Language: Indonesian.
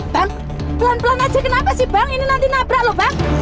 bang pelan pelan aja kenapa sih bang ini nanti nabrak lho bang